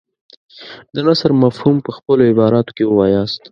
د نثر مفهوم په خپلو عباراتو کې ووایاست.